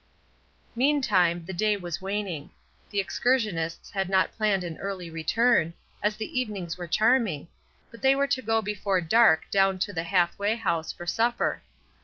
Meantime, the day was waning. The excur sionists had not planned an early return, as the evenings were charming, but they were to go before dark down to the Half way House for supper.